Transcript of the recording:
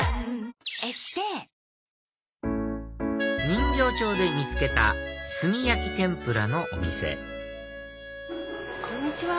人形町で見つけた炭焼き天ぷらのお店こんにちは。